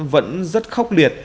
vẫn rất khốc liệt